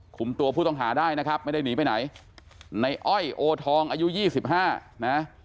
คุมตัวผู้ต้องหาได้นะครับไม่ได้หนีไปไหนในอ้อยโอทองอายุ๒๕นะ